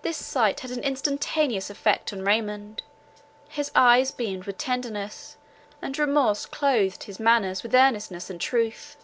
This sight had an instantaneous effect on Raymond; his eyes beamed with tenderness, and remorse clothed his manners with earnestness and truth.